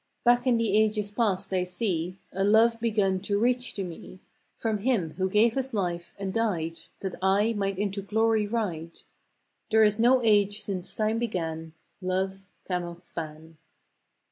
Back in the ages past I see A love begun to reach to me From Him who gave His life and died That I might into Glory ride There is no age since Time began Love cannot span!